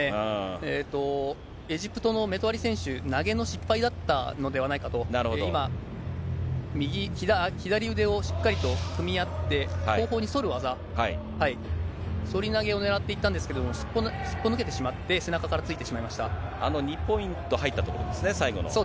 えっと、エジプトのメトワリ選手、投げの失敗だったのではないかと、今、左腕をしっかりと組み合って、後方に反る技、そり投げをねらっていったんですけれども、すっぽ抜けてしまって、あの２ポイント入ったところそうですね。